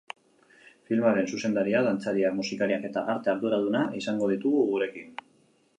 Filmaren zuzendaria, dantzariak, musikariak eta arte arduraduna izango ditugu gurekin.